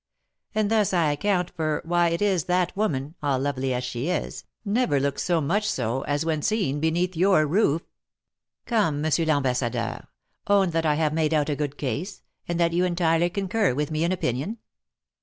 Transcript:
And thus I account for why it is that woman, all lovely as she is, never looks so much so as when seen beneath your roof. Come, M. l'Ambassadeur, own that I have made out a good case, and that you entirely concur with me in opinion."